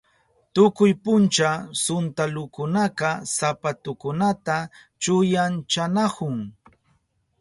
Tukuy puncha suntalukunaka sapatukunata chuyanchanahun.